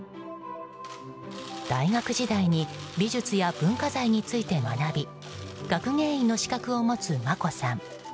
大学時代に美術や文化財について学び学芸員の資格を持つ眞子さん。